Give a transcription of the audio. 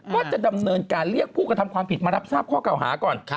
ก็จะดำเนินการเรียกผู้กระทำความผิดมารับทราบข้อเก่าหาก่อน